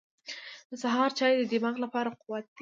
• د سهار چای د دماغ لپاره قوت دی.